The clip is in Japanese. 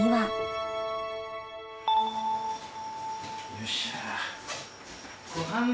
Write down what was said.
よっしゃ。